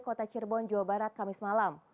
kota cirebon jawa barat kamis malam